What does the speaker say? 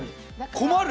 困る！